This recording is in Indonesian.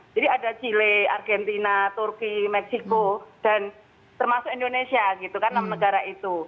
jadi ada chile argentina turki meksiko dan termasuk indonesia gitu kan enam negara itu